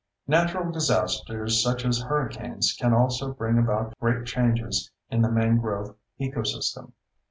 Natural disasters such as hurricanes can also bring about great changes in the mangrove ecosystem.